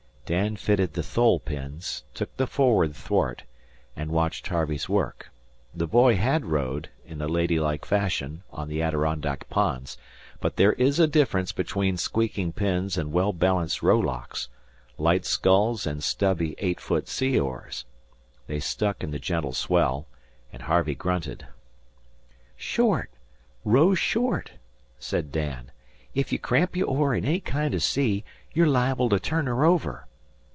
Dan fitted the thole pins, took the forward thwart and watched Harvey's work. The boy had rowed, in a lady like fashion, on the Adirondack ponds; but there is a difference between squeaking pins and well balanced ruflocks light sculls and stubby, eight foot sea oars. They stuck in the gentle swell, and Harvey grunted. "Short! Row short!" said Dan. "Ef you cramp your oar in any kind o' sea you're liable to turn her over.